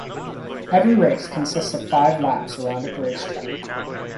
Every race consists of five laps around a race track.